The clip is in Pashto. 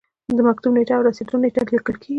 د مکتوب نیټه او رسیدو نیټه لیکل کیږي.